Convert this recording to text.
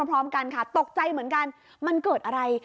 พร้อมกันค่ะตกใจเหมือนกันมันเกิดอะไร